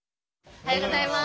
おはようございます